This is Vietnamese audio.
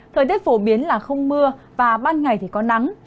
thời tiết phổ biến là không mưa và ban ngày thì có nắng